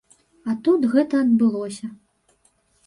А тут гэта адбылося.